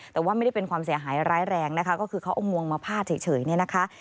แต่ว่าไม่ได้เป็นความเสียหายร้ายแรงนะคะก็คือเขาเอางวงมาพาดเฉยเนี่ยนะคะ